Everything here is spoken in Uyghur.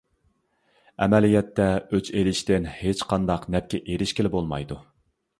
ئەمەلىيەتتە ئۆچ ئېلىشتىن ھېچقانداق نەپكە ئېرىشكىلى بولمايدۇ.